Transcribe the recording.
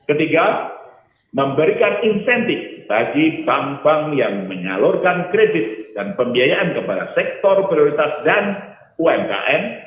ketiga memberikan insentif bagi bank bank yang menyalurkan kredit dan pembiayaan kepada sektor prioritas dan umkm